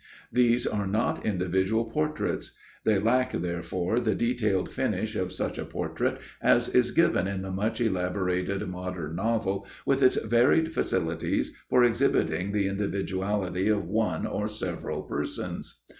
These are not individual portraits. They lack, therefore, the detailed finish of such a portrait as is given in the much elaborated modern novel with its varied facilities for exhibiting the individuality of one or several persons.